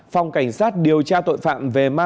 phòng cảnh sát điều tra tội phạm về mạng